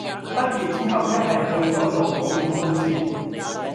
畢業之後一係去左做保險公司